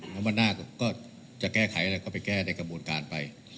แล้ววันหน้าก็จะแก้ไขอะไรก็ไปแก้ในกระบวนการไป